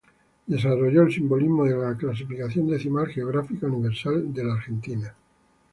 Desarrolló el simbolismo de la clasificación decimal geográfica universal de la Argentina.